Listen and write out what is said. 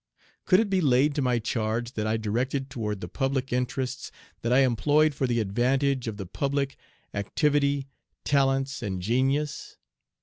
"Could it be laid to my charge that I directed toward the public interests, that I employed for the advantage of the public, activity, talents, and genius?